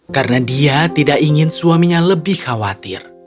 karena dia tidak ingin suaminya lebih khawatir